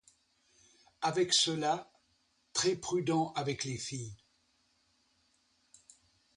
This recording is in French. Avec cela, très prudent avec les filles.